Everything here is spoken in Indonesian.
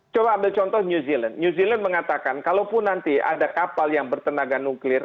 coba ambil contoh new zealand new zealand mengatakan kalaupun nanti ada kapal yang bertenaga nuklir